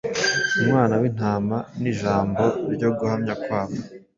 Umwana w’Intama n’ijambo ryo guhamya kwabo.